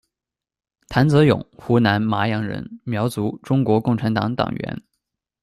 谭泽勇，湖南麻阳人，苗族，中国共产党党员。